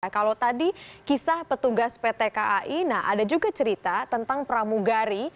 kalau tadi kisah petugas pt kai nah ada juga cerita tentang pramugari